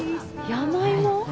山芋？